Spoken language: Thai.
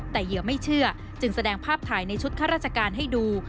แต่เหยื่อไม่เชื่อจึงแสดงภาพถ่ายในชุดข้าราชการให้ดู